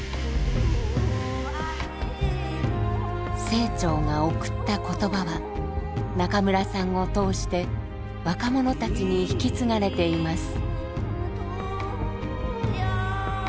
清張が送った言葉は中村さんを通して若者たちに引き継がれています。